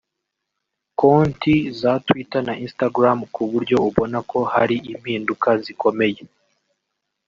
Konti za Twitter na Instagram ku buryo ubona ko hari impinduka zikomeye